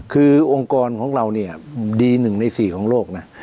คือองค์กรของเราเนี่ยดี๑ใน๔ของโลกนะ